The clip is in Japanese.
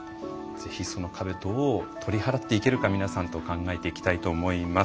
ぜひその壁どう取り払っていけるか皆さんと考えていきたいと思います。